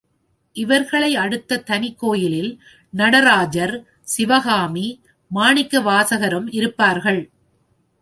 இவர்களை அடுத்த தனிக்கோயிலில் நடராஜர், சிவகாமி, மாணிக்கவாசகரும் இருப்பார்கள்.